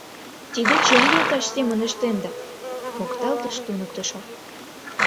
— Тиде чын йолташ семын ыштенда! — мокталтыш туныктышо.